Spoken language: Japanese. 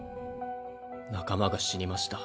「仲間が死にました。